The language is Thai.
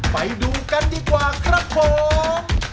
ไปดูกันดีกว่าครับผม